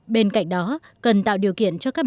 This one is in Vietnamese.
bên cạnh đó cần tạo điều kiện cho các bác sĩ